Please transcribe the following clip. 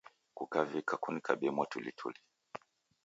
Kukavika kunikabie mwatulituli